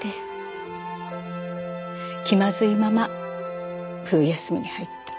気まずいまま冬休みに入った。